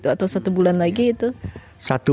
atau satu bulan lagi itu satu